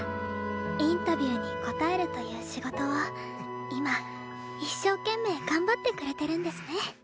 インタビューに答えるという仕事を今一生懸命頑張ってくれてるんですね